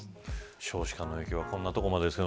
少子化の影響はこんなところまであるんですね。